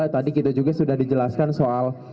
tadi kita juga sudah dijelaskan soal